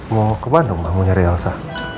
mau ke bandung ma menyari elsa